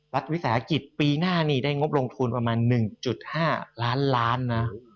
รัฐวิสาหกิจปีหน้านี่ได้งบลงทุนประมาณ๑๕ล้านล้านนะ